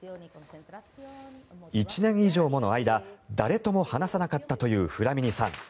１年以上もの間誰とも話さなかったというフラミニさん。